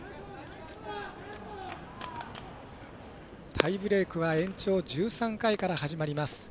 タイブレークは延長１３回から始まります。